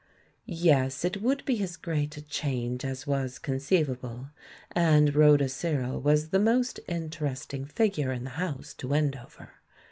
Yes, it would be as great a change as was con ceivable, and Khoda Searle was the most inter esting figure in the house to Wendover.